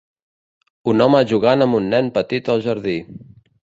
Un home jugant amb un nen petit al jardí.